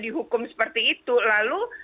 dihukum seperti itu lalu